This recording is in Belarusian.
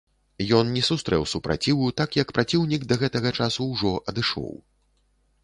Ён не сустрэў супраціву, так як праціўнік да гэтага часу ўжо адышоў.